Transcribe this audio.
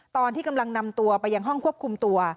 ตอนที่กำลังนำตัวไปยังห้องควบคุมตัว